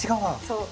そう。